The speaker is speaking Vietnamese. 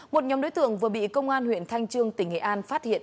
một nhóm đối tượng vừa bị công an huyện thanh trương tỉnh nghệ an phát hiện